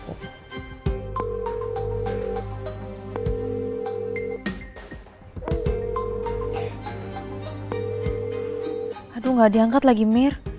aduh gak diangkat lagi mir